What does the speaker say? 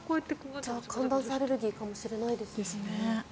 じゃあ寒暖差アレルギーかもしれないですね。